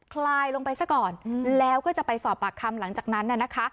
คลายลงไปซะก่อนแล้วก็จะไปสอบปากคำหลังจากนั้นน่ะนะคะ